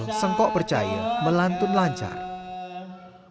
nanti saya bisa buat apa saja ya